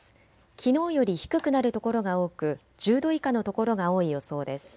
きのうより低くなる所が多く１０度以下の所が多い予想です。